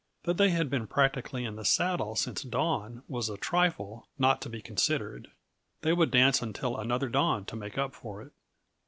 That they had been practically in the saddle since dawn was a trifle not to be considered; they would dance until another dawn to make up for it.